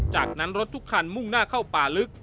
จากนั้นรถทุกคันมุ่งหน้าเข้าป่าลึก